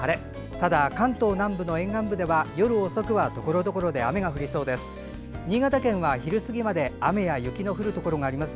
ただ、関東南部の沿岸部では夜遅くはところどころで雨が降りそうです。